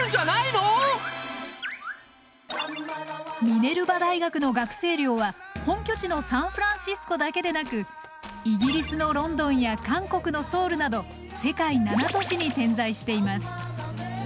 ミネルバ大学の学生寮は本拠地のサンフランシスコだけでなくイギリスのロンドンや韓国のソウルなど世界７都市に点在しています。